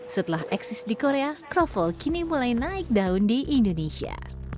setelah eksis di korea kroffel kini mulai naik daun di indonesia